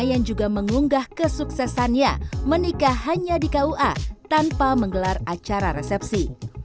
yang juga mengunggah kesuksesannya menikah hanya di kua tanpa menggelar acara resepsi